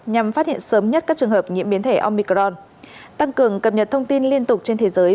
nhằm phát hiện sớm nhất các trường hợp nhiễm biến thể omicron tăng cường cập nhật thông tin liên tục trên thế giới